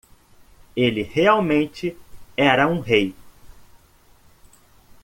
Ele realmente era um rei!